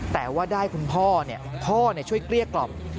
แต่ว่าได้คุณพ่อพ่อช่วยเกลี้ยกล่อม